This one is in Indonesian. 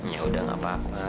ya udah gak apa apa